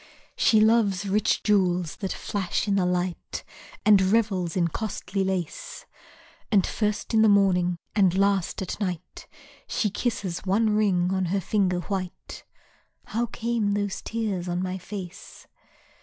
She loves rich jewels that flash in the light, And revels in costly lace, And first in the morning, and last at night She kisses one ring on her finger white; (How came those tears on my face?)